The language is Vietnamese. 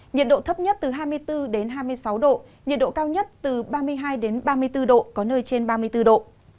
nhiệt độ thấp nhất từ hai mươi bốn hai mươi sáu độ nhiệt độ cao nhất từ ba mươi hai ba mươi bốn độ có nơi trên ba mươi bốn độ